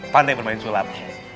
pandai bermain sulap